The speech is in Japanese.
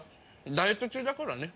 ダイエット中だからね。